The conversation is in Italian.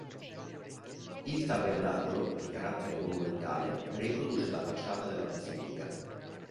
Il tabernacolo, di carattere monumentale, riproduce la facciata della basilica.